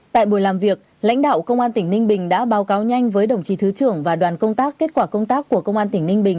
tại buổi làm việc lãnh đạo công an tỉnh ninh bình đã báo cáo nhanh với đồng chí thứ trưởng và đoàn công tác kết quả công tác của công an tỉnh ninh bình